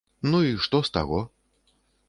Ну і што з таго?